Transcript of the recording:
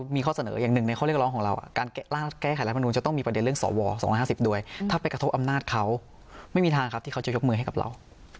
มีข้อเสนออย่างหนึ่งในข้อเรียกร้องของเราการแก้ไขรัฐมนุนจะต้องมีประเด็นเรื่องสว๒๕๐ด้วยถ้าไปกระทบอำนาจเขาไม่มีทางครับที่เขาจะยกมือให้กับเรา